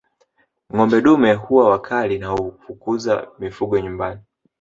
Ngombe dume huwa wakali na kufukuza mifugo nyumbani